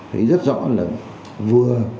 thấy rất rõ là vừa